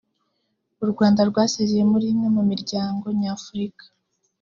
u rwanda rwasezeye muri imwe mu miryango nyafurika